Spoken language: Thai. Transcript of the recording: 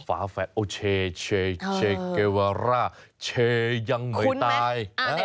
ฝาแฝดโอเชเกวาร่าเชยังไม่ตาย